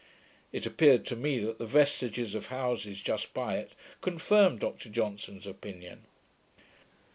It appeared to me, that the vestiges of houses, just by it, confirmed Dr Johnson's opinion.